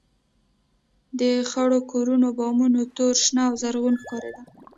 د خړو کورونو بامونه تور، شنه او زرغونه ښکارېدل.